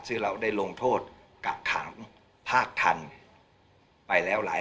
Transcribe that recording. ซึ่งเราได้ลงโทษกักขังภาคทันไปแล้วหลาย